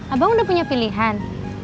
abang udah punya pilihan